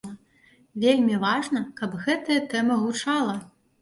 Вельмі важна, каб гэтая тэма гучала.